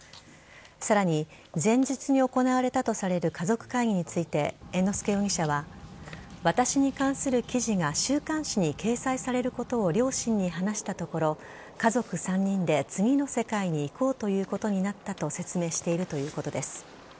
さらに、前日に行われたとされる家族会議について猿之助容疑者は私に関する記事が週刊誌に掲載されることを両親に話したところ家族３人で次の世界に行こうということになったと説明しているということです。